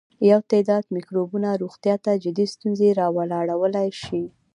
یو تعداد مکروبونه روغتیا ته جدي ستونزې راولاړولای شي.